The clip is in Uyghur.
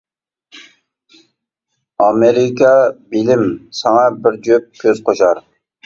-ئامېرىكا بىلىم ساڭا بىر جۈپ كۆز قوشار.